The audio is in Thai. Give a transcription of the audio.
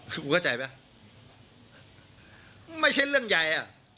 กูเข้าใจไหมไม่ใช่เรื่องใหญ่